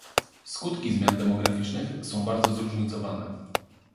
Skutki zmian demograficznych są bardzo zróżnicowane